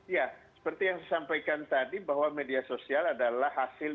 ya seperti yang saya sampaikan tadi bahwa media sosial adalah hasil